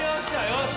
よし！